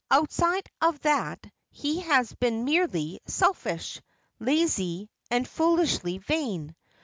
Outside of that he has been merely selfish, lazy, and foolishly vain.